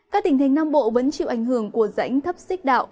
các tỉnh thành nam bộ vẫn chịu ảnh hưởng của rãnh thấp xích đạo